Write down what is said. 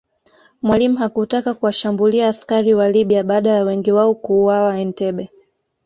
Mwalimu hakutaka kuwashambulia askari wa Libya baada ya wengi wao kuuawa Entebbe